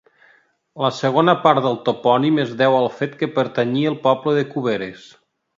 La segona part del topònim es deu al fet que pertanyia al poble de Cuberes.